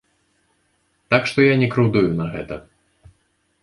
Так што я не крыўдую на гэта.